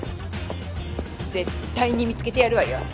絶対に見つけてやるわよ。